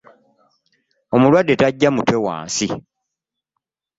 Omulwadde taggya mutwe wansi.